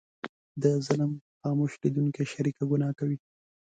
د ظلم خاموش لیدونکی شریکه ګناه کوي.